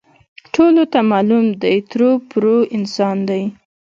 ټولو ته معلوم دی، ټرو پرو انسان دی.